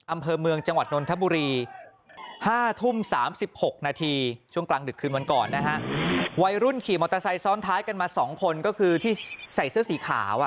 อำเภอเมืองจังหวัดนทบุรี